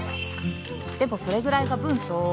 でもそれぐらいが分相応